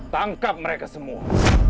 tangkap mereka semua